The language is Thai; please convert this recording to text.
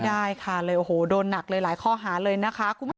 ไม่ได้ค่ะโอ้โหโดนหนักเลยหลายข้อหาเลยนะคะ